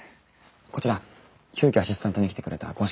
こちら急きょアシスタントに来てくれた五色さん。